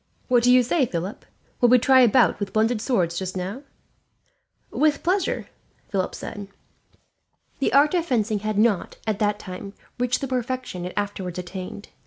"What do you say, Philip? Will we try a bout with blunted swords just now?" "With pleasure," Philip said. The art of fencing had not, at that time, reached the perfection it afterwards attained.